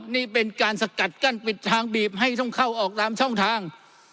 นี่เป็นการสกัดกั้นปิดทางบีบให้ต้องเข้าออกตามช่องทาง